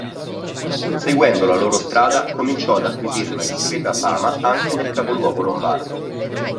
Seguendo la loro strada cominciò ad acquisire una discreta fama anche nel capoluogo lombardo.